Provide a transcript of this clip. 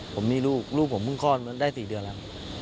ผมมีลูกลูกผมเพิ่งคลอดมาได้๔เดือนแล้ว